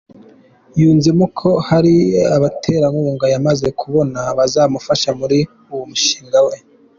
Yunzemo ko hari abaterankunga yamaze kubona bazamufasha muri uwo mushinga we.